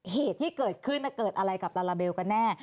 เหตุที่เกิดขึ้นเกิดอะไรกับลาลาเบลกันแน่